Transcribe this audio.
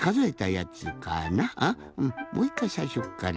もう１かいさいしょっから。